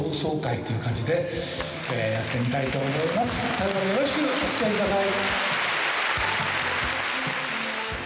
最後までよろしくおつきあいください。